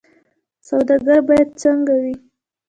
سوداګر باید څنګه وي؟